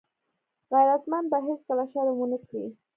غیرتمند به هېڅکله شرم ونه کړي